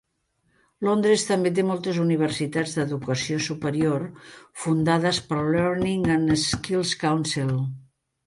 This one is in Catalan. Londres també té moltes universitats d"educació superior fundades pel Learning and Skills Council.